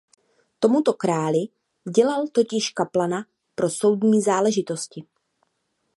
Tomuto králi dělal totiž kaplana pro soudní záležitosti.